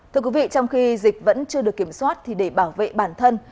thưa quý vị trong khi dịch vẫn chưa được kiểm soát thì để bảo vệ bản thân